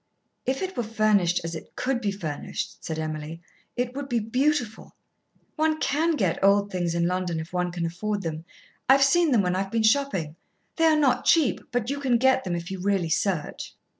"If it were furnished as it could be furnished," said Emily, "it would be beautiful. One can get old things in London if one can afford them. I've seen them when I've been shopping. They are not cheap, but you can get them if you really search."